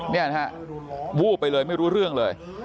นี่นะฮะวูบไปเลยไม่รู้เรื่องเลย